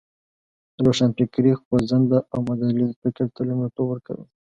روښانفکري خوځنده او مدلل فکر ته لومړیتوب ورکوی.